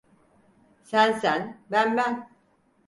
Sen sen, ben ben.